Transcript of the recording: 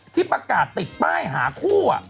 ที่ประกาศติดป้ายหาคู่